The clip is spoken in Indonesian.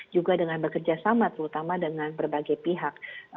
juga dengan bekerja sama terutama dengan berbagai pihak